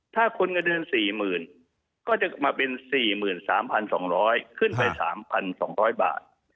ถ้าคนเงินเดือน๔๐๐๐ก็จะมาเป็น๔๓๒๐๐ขึ้นไป๓๒๐๐บาท